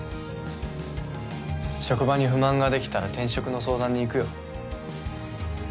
職場に不満が出来たら転職の相談に行くよ。